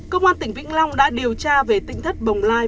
công an tỉnh vĩnh long đã điều tra về tỉnh thất bồng lai